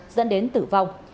dẫn đến tử vong